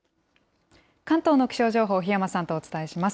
関東の気象情報、檜山さんとお伝えします。